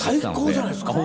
最高じゃないですか！